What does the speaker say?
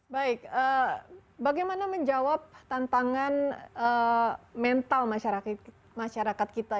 baik bagaimana menjawab tantangan mental masyarakat kita